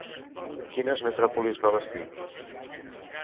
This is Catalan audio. Quines metròpolis va bastir?